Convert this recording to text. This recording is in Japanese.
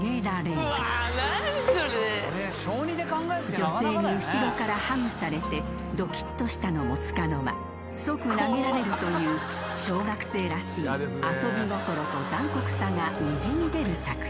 ［女性に後ろからハグされてどきっとしたのもつかの間即投げられるという小学生らしい遊び心と残酷さがにじみ出る作品］